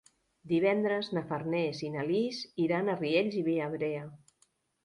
Divendres na Farners i na Lis iran a Riells i Viabrea.